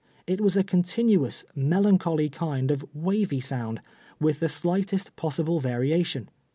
It was a continuous, melancholy kind of wavy sound, with the slightest possible vari ati<_>n.